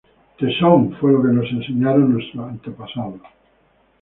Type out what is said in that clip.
Tesón fue lo que nos enseñaron nuestros antepasados